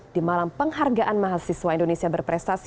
di malam penghargaan mahasiswa indonesia berprestasi